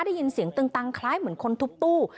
ได้ยินเสียงตึงตังคล้ายเหมือนคนทุบตู้